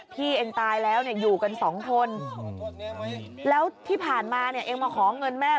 พี่เองตายแล้วเนี่ยอยู่กันสองคนแล้วที่ผ่านมาเนี่ยเองมาขอเงินแม่